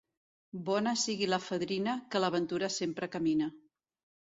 Bona sigui la fadrina, que la ventura sempre camina.